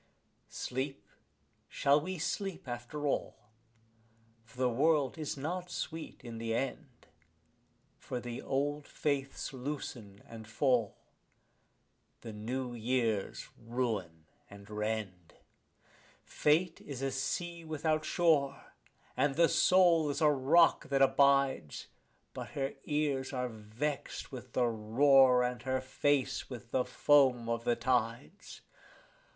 Sleep, shall we sleep after all? for the world is not sweet in the end; For the old faiths loosen and fall, the new years ruin and rend. Fate is a sea without shore, and the soul is a rock that abides; But her ears are vexed with the roar and her face with the foam of the tides.